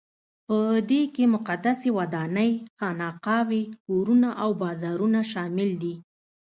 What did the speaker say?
په دې کې مقدسې ودانۍ، خانقاوې، کورونه او بازارونه شامل دي.